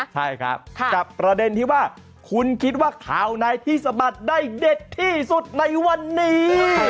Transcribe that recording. ใช่ครับกับประเด็นที่ว่าคุณคิดว่าข่าวไหนที่สะบัดได้เด็ดที่สุดในวันนี้